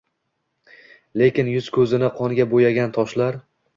Lekin yuz-ko‘zini qonga bo‘yagan toshlar